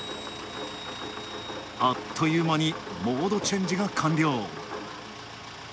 あっという間にモードチェンジが完了。